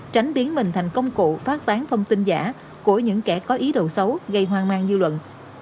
tránh biến mình thành công cụ phát tán thông tin giả của những kẻ có ý đồ xấu gây hoang mang dư luận